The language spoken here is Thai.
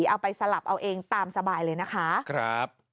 เอาไปสลับเอาเองตามสบายเลยนะคะ